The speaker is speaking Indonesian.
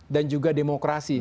dan juga demokrasi